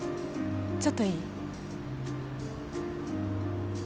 ちょっといい？